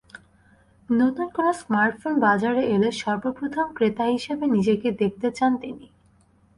নতুন কোনো স্মার্টফোন বাজারে এলে সর্বপ্রথম ক্রেতা হিসেবে নিজেকে দেখতে চান তিনি।